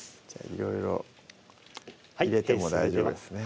いろいろ入れても大丈夫ですね